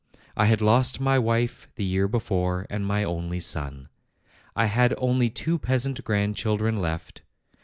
I had lost my wife the year before, and my only son. I had only two peasant grandchildren left.